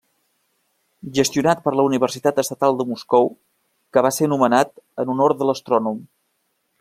Gestionat per la Universitat Estatal de Moscou, que va ser nomenat en honor de l'astrònom.